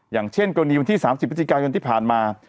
อย่างเช่นกรณีวันที่๓๐บกนที่ผ่านมา